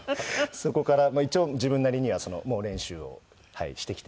そこからまあ一応自分なりには猛練習をしてきて。